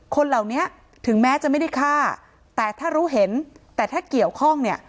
คนเหล่านี้ถึงแม้จะไม่ได้ฆ่าแต่ถ้ารู้เห็นแต่ถ้าเกี่ยวข้องเนี่ย